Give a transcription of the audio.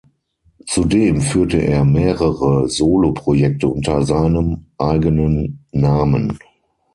Zudem führte er mehrere Solo Projekte unter seinem eigenen Namen.